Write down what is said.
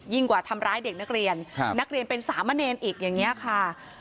กว่าทำร้ายเด็กนักเรียนนักเรียนเป็นสามะเนรอีกอย่างนี้ค่ะ